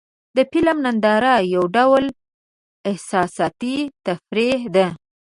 د فلم ننداره یو ډول احساساتي تفریح ده.